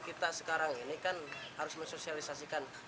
kita sekarang ini kan harus mensosialisasikan